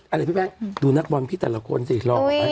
อะไรพี่แป้งดูนักบอลพี่แต่ละคนสิหล่อออกไป